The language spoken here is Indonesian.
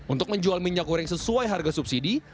untuk menjual minyak goreng sesuai harga subsidi